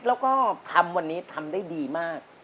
แล้วก็ทำวันนี้ทำได้ดีมาก